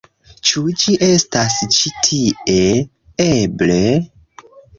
Ĉu ĝi estas ĉi tie? Eble?